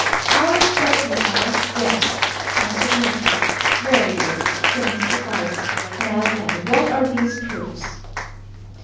"Our instructions are yes," answered Methley. "Very good," said Mr. Carless. "Now, then what are these proofs?"